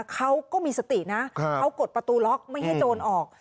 เขาก็มีสตินะเขากดประตูล็อกไม่ให้โจรออก